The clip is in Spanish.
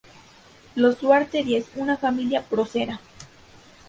Los Duarte-Díez: una familia procera